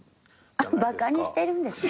バカにしてるんですか？